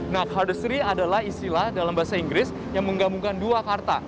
nah cardestry adalah istilah dalam bahasa inggris yang menggabungkan dua karta